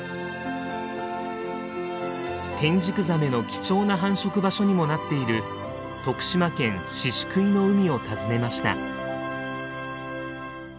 テンジクザメの貴重な繁殖場所にもなっている徳島県宍喰の海を訪ねました。